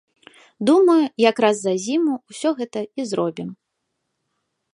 Думаю, як раз за зіму ўсё гэта і зробім.